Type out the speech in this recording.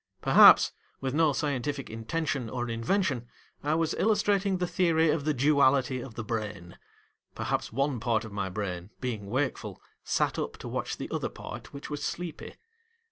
Perhaps, with no scientific intention or invention, I was illustrating the theory of the Duality of the Brain ; perhaps one part of my brain, being wakeful, sat up to watch the other part which was sleepy.